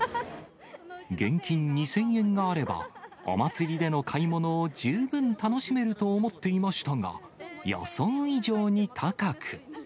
現金２０００円があれば、お祭りでの買い物を十分楽しめると思っていましたが、予想以上に高く。